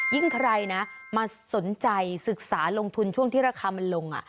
ใครนะมาสนใจศึกษาลงทุนช่วงที่ราคามันลง